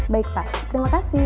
baik pak terima kasih